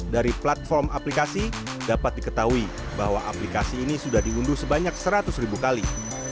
dari platform aplikasi dapat diketahui bahwa aplikasi ini sudah diunduh sebanyak seratus ribu kali